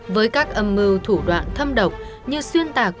với các âm mưu thủ đoạn thâm độc như xuyên tạc